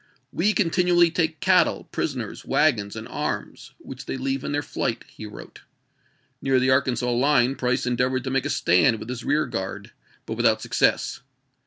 " We continually take cattle, prisoners, wagons, and arms, which they leave in their flight," he wrote. Near the Arkansas line Price endeav ored to make a stand with his rear guard, but without success.